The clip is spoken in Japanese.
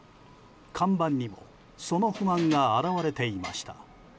看板にも、その不満が表れていました。